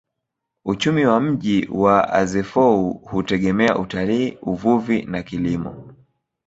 Uchumi wa mji wa Azeffou hutegemea utalii, uvuvi na kilimo.